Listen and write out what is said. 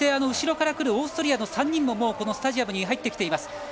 オーストリアの３人もスタジアムに入ってきています。